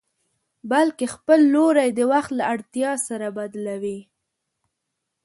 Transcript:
بلکې خپل لوری د وخت له اړتيا سره بدلوي.